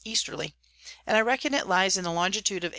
Easterly; and I reckon it lies in the Longitude of 87.